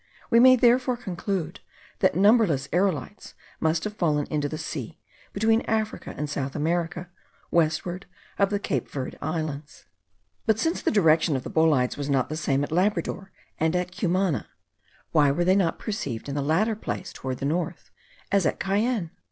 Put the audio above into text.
We may therefore conclude, that numberless aerolites must have fallen into the sea, between Africa and South America, westward of the Cape Verd Islands. But since the direction of the bolides was not the same at Labrador and at Cumana, why were they not perceived in the latter place towards the north, as at Cayenne?